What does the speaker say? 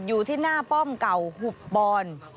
อยู่ที่หน้าป้อมเก่าหุบปอน